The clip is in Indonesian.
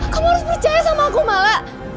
kamu harus percaya sama aku malah